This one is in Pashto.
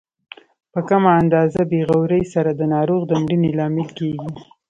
په کمه اندازه بې غورۍ سره د ناروغ د مړینې لامل کیږي.